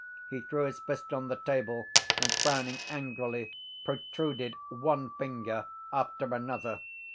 He threw his fist on the table and, frowning angrily, protruded one finger after another.